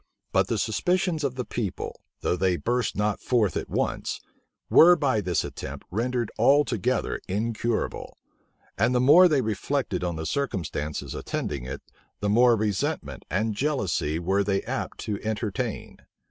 But the suspicions of the people, though they burst not forth at once, were by this attempt rendered altogether incurable; and the more they reflected on the circumstances attending it, the more resentment and jealousy were they apt to entertain.